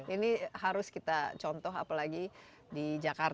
ini harus kita contoh apalagi di jakarta